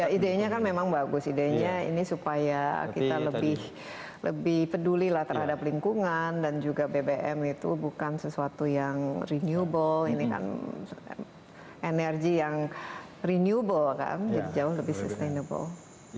idenya kan memang bagus idenya ini supaya kita lebih peduli lah terhadap lingkungan dan juga bbm itu bukan sesuatu yang renewable ini kan energi yang renewable kan jadi jauh lebih sustainable